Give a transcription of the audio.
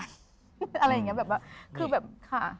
อะไรอย่างนี้แบบว่าคือแบบค่ะ